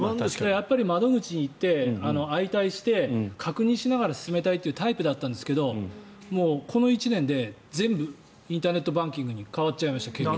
窓口に行って、相対して確認しながら進めたいというタイプだったんですけどこの１年で全部インターネットバンキングに変わっちゃいました結局。